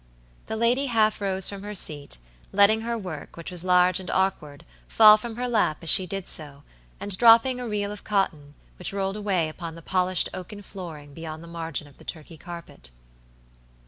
The lady half rose from her seat, letting her work, which was large and awkward, fall from her lap as she did so, and dropping a reel of cotton, which rolled away upon the polished oaken flooring beyond the margin of the Turkey carpet.